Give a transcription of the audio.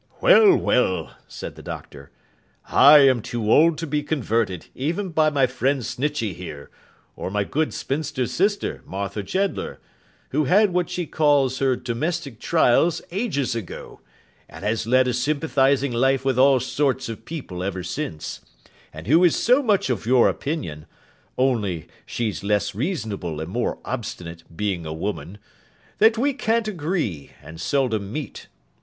'Well, well!' said the Doctor, 'I am too old to be converted, even by my friend Snitchey here, or my good spinster sister, Martha Jeddler; who had what she calls her domestic trials ages ago, and has led a sympathising life with all sorts of people ever since; and who is so much of your opinion (only she's less reasonable and more obstinate, being a woman), that we can't agree, and seldom meet.